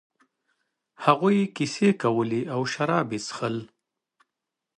هغوی کیسې کولې او شراب یې ایشخېشل.